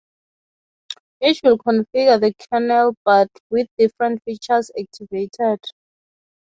Each will configure the kernel, but with different features activated.